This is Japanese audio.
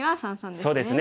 そうですね。